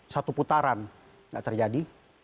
satu putaran gak ternjadi